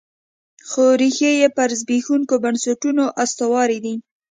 خو ریښې یې پر زبېښونکو بنسټونو استوارې دي.